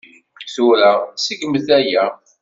Tura, seggmet aya.